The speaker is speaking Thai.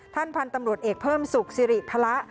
ท่านพันธุ์ตำรวจเอกเพิ่มสุขสิริพระ